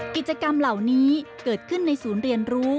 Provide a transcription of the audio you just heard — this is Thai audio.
กิจกรรมเหล่านี้เกิดขึ้นในศูนย์เรียนรู้